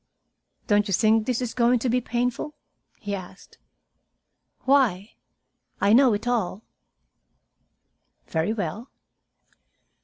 "Don't you think this is going to be painful?" he asked. "Why? I know it all." "Very well.